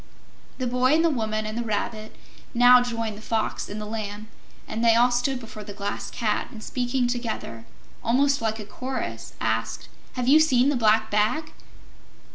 The Boy and the Woman and the Rabbit now joined the Fox and the Lamb, and they all stood before the Glass Cat and speaking together, almost like a chorus, asked: "Have you seen the Black Bag?"